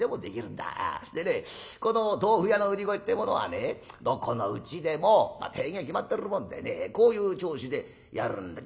でねこの豆腐屋の売り声ってものはねどこのうちでも大概決まってるもんでねこういう調子でやるんだ。